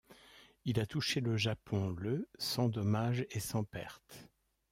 Il touché le Japon le sans dommages et sans pertes.